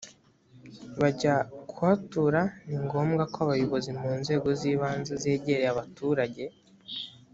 bajya kuhatura ni ngombwa ko abayobozi mu nzego z ibanze zegereye abaturage